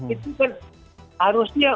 itu kan harusnya